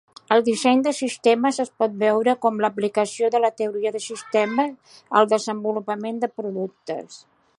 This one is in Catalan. El disseny de sistemes es pot veure com l'aplicació de la teoria de sistemes al desenvolupament de productes.